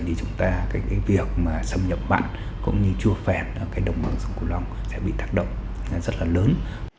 thì việc xâm nhập mặn cũng như chua phẹn đồng bằng sông cửu long sẽ bị tác động rất là lớn